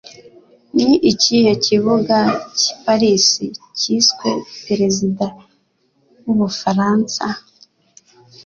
Ni ikihe kibuga cy'i Paris cyiswe Perezida w'Ubufaransa?